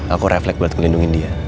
aku reflect buat ngelindungin dia